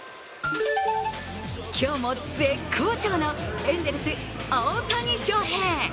今日も絶好調のエンゼルス大谷翔平。